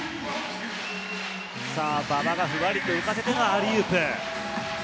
馬場がふわりと浮かせてのアリウープ。